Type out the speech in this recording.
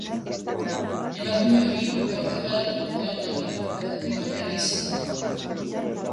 Emakume hori gaur deklaratu duten lau lekukoetatik lehena izan da.